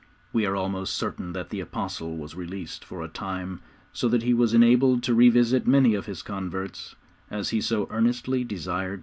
We are almost certain that the Apostle was released for a time so that he was enabled to revisit many of his converts, as he so earnestly desired to do.